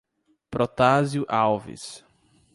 Protásio Alves